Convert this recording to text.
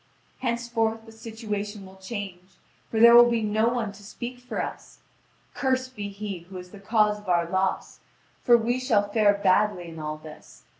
Henceforth the situation will change, for there will be no one to speak for us! Cursed be he who is the cause of our loss! For we shall fare badly in all this.